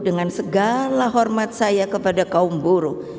dengan segala hormat saya kepada kaum buruh